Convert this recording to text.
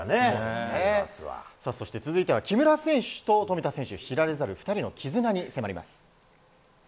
続いては木村選手と富田選手、知られざる２人のきずなに迫ります。